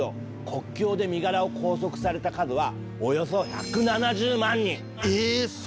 国境で身柄を拘束された数はおよそ１７０万人。